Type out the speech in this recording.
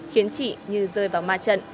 khiến chị như rơi vào ma trận